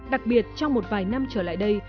đặc biệt trong một vài năm trở lại đây